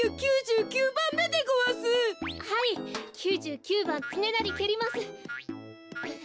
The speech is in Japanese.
９９ばんつねなりけります。